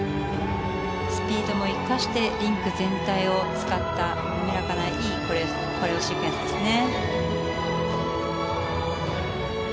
スピードも生かしてリンク全体を使った滑らかないいコレオシークエンスですね。